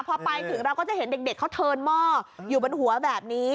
พอไปถึงเราก็จะเห็นเด็กเขาเทินหม้ออยู่บนหัวแบบนี้